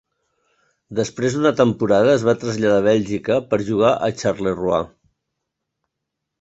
Després d'una temporada es va traslladar a Bèlgica per jugar a Charleroi.